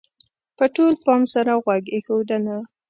-په ټول پام سره غوږ ایښودنه: